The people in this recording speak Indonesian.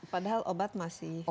padahal obat masih dimakan ya